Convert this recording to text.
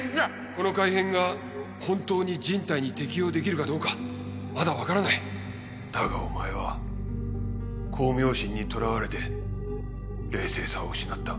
この改変が本当に人体に適用できるかどうかまだ分からないだがお前は功名心にとらわれて冷静さを失った。